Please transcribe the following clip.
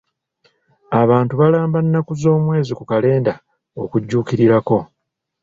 Abantu balamba nnaku z'omwezi ku kalenda okujjukirirako.